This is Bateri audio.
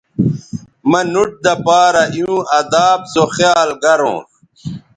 مہ نُوٹ دہ پارہ ایوں اداب سو خیال گرونݜ